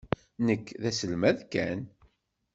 Nekk d aselmad kan.